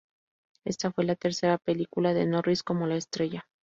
Esta fue la tercera película de Norris como la estrella.